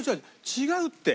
違うって。